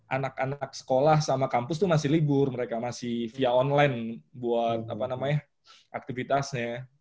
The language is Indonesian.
anak anak sekolah sama kampus itu masih libur mereka masih via online buat aktivitasnya